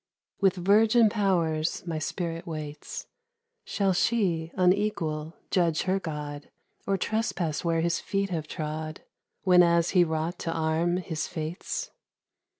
With 'virgin powers my spirit waits ; Shall she, unequal, judge her God, Or trespass where His feet have trod Whenas He wrought to arm His fates?